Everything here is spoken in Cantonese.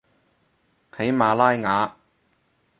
喜马拉雅